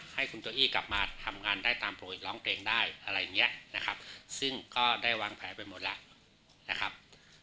ให้คุณโจอี้กลับมาทำงานได้ตามปกติร้องเพลงได้อะไรอย่างเงี้ยนะครับซึ่งก็ได้วางแผนไปหมดแล้วนะครับ